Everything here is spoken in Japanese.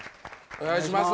お願いします。